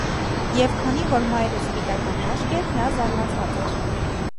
Եվ քանի որ մայրս սպիտակամաշկ էր, նա զարմացած էր։